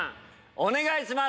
お願いします。